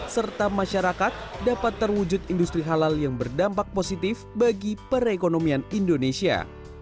serta masyarakat dapat terwujud industri halal yang berdampak positif bagi perekonomian indonesia